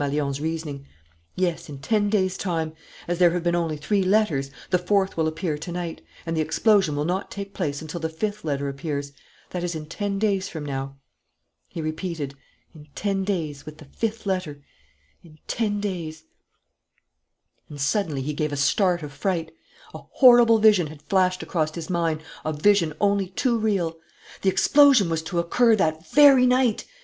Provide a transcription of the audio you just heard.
Desmalions's reasoning, "yes, in ten days' time. As there have been only three letters, the fourth will appear to night; and the explosion will not take place until the fifth letter appears that is in ten days from now." He repeated: "In ten days with the fifth letter in ten days " And suddenly he gave a start of fright. A horrible vision had flashed across his mind, a vision only too real. The explosion was to occur that very night!